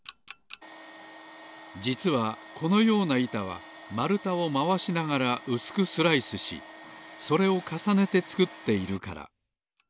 じつはこのようないたはまるたをまわしながらうすくスライスしそれをかさねてつくっているから。